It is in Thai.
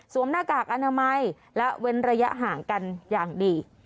หน้ากากอนามัยและเว้นระยะห่างกันอย่างดี